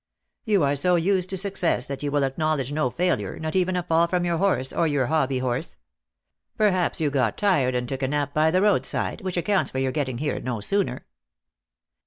" You are so used to success that you will acknowl edge no failure, not even a fall from your horse, or your hobby horse. Perhaps you got tired, and took a nap by the roadside, which accounts for your getting here no sooner.